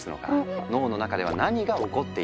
脳の中では何が起こっているのか？